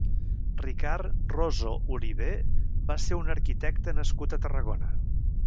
Ricard Roso Olivé va ser un arquitecte nascut a Tarragona.